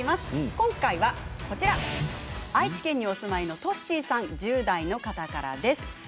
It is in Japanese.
今回は愛知県にお住まいのとっしーさん１０代の方からです。